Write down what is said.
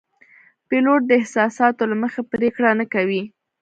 پیلوټ د احساساتو له مخې پرېکړه نه کوي.